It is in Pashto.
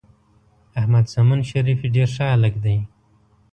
احمد سمون شریفي ډېر ښه هلک دی.